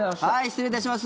失礼いたします。